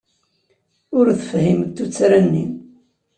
Ur tefhimeḍ tuttra-nni.